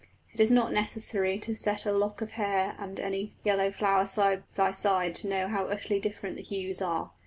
It is not necessary to set a lock of hair and any yellow flower side by side to know how utterly different the hues are.